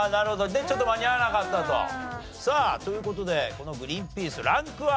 でちょっと間に合わなかったと。という事でこのグリーンピースランクは？